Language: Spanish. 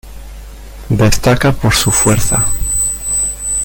Destaca por su fuerza.